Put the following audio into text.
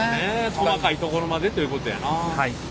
細かいところまでということやな。